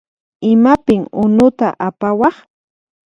Imapin unuta apawaq?